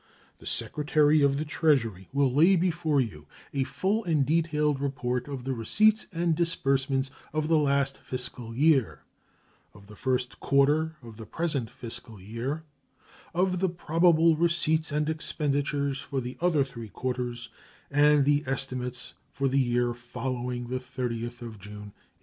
The Secretary of the Treasury will lay before you a full and detailed report of the receipts and disbursements of the last fiscal year, of the first quarter of the present fiscal year, of the probable receipts and expenditures for the other three quarters, and the estimates for the year following the 30th of June, 1866.